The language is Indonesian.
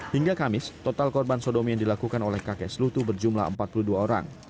hingga kamis total korban sodomi yang dilakukan oleh kakek selutu berjumlah empat puluh dua orang